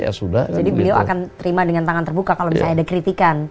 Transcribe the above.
jadi beliau akan terima dengan tangan terbuka kalau misalnya ada kritikan